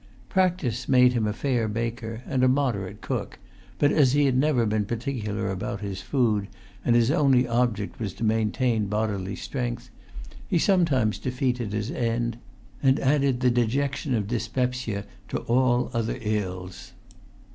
Practice made him a fair baker and a moderate cook; but, as he had never been particular about his food, and his only object was to maintain bodily strength, he sometimes defeated his end, and added the dejection of dyspepsia to all other ills.